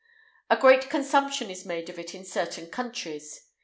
A great consumption is made of it in certain countries.